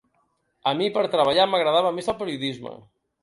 A mi per treballar m’agradava més el periodisme.